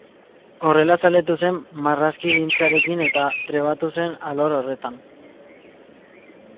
Horrela zaletu zen marrazkigintzarekin eta trebatu zen alor horretan.